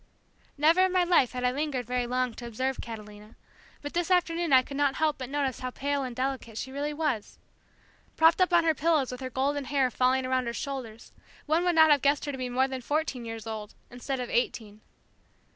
Never in my life had I lingered very long to observe Catalina, but this afternoon I could not help but notice how pale and delicate she really was. Propped up on her pillows with her golden hair falling around her shoulders, one would not have guessed her to be more than fourteen years old, instead of eighteen.